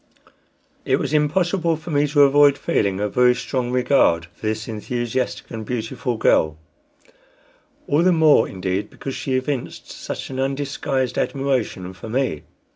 It was impossible for me to avoid feeling a very strong regard for this enthusiastic and beautiful girl; all the more, indeed, because she evinced such an undisguised admiration for me.